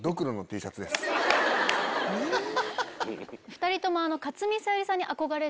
２人とも。